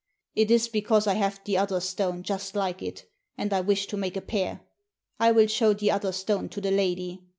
It is because I have the other stone just like it, and I wish to make a pair. I will show tile other stone to the lady.